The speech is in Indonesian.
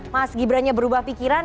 mas gibran nya berubah pikiran